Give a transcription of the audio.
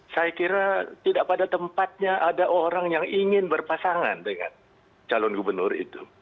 saya kira tidak pada tempatnya ada orang yang ingin berpasangan dengan calon gubernur itu